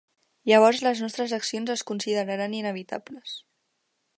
Llavors les nostres accions es consideraran inevitables.